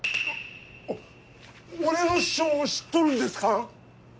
お俺の師匠を知っとるんですかん！？